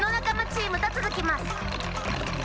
チームとつづきます。